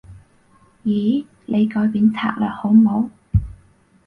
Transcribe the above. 咦？你改變策略好冇？